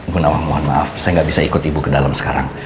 gunawan mohon maaf saya nggak bisa ikut ibu ke dalam sekarang